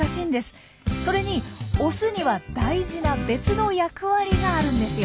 それにオスには大事な別の役割があるんですよ。